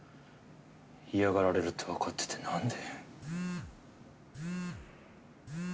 嫌がられるってわかっててなんで？